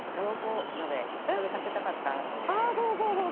あそうそうそう！